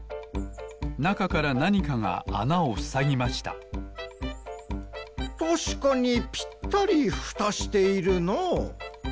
なかからなにかがあなをふさぎましたたしかにぴったりふたしているなあ。